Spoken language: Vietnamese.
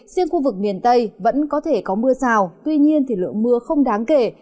riêng khu vực miền tây vẫn có thể có mưa rào tuy nhiên thì lượng mưa không đáng kể